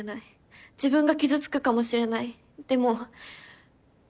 自分が傷つくかもしれないでも。